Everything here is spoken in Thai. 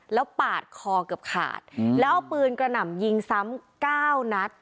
แล้วปาดคอเกือบขาดแล้วเอาปืนกระหน่ำยิงซ้ำ๙นัด